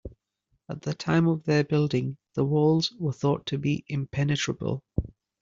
At the time of their building, the walls were thought to be impenetrable.